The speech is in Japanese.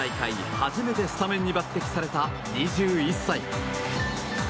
初めてスタメンに抜擢された２１歳。